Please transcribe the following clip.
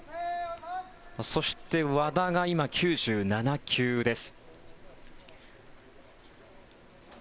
そして、和田が今９７球です。